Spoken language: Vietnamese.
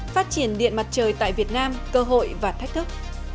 phát triển điện mặt trời tại việt nam cơ hội và thách thức